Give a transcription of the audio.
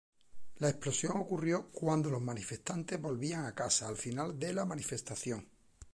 La explosión ocurrió cuando los manifestantes volvían a casa al final de la manifestación.